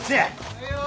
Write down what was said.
はいよ！